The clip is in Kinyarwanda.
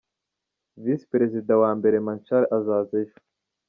Visi Perezida wa mbere Machar azaza ejo.